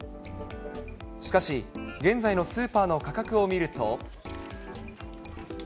しかし、現在のスーパーの価格を見ると。